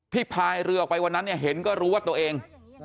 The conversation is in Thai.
พายเรือออกไปวันนั้นเนี่ยเห็นก็รู้ว่าตัวเอง